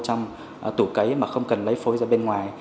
trong tủ cấy mà không cần lấy phối ra bên ngoài